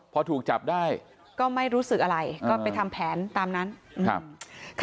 พอถูกจับได้ก็ไม่รู้สึกอะไรก็ไปทำแผนตามนั้นครับ